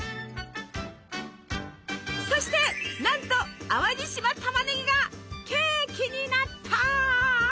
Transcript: そしてなんと淡路島たまねぎがケーキになった！